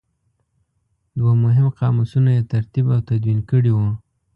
دوه مهم قاموسونه یې ترتیب او تدوین کړي وو.